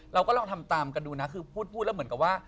เราก็ลองทำตามกันดูนะคือพูดแล้วเหมือนกับว่า